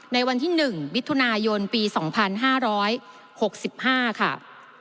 ในวันที่๑มิถุนายนปี๒๕๖๕ค่ะ